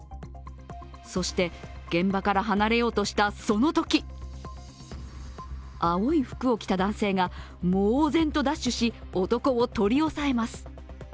そして現場から離れようとしたそのとき青い服を着た男性が猛然とダッシュし男を取り押さえます。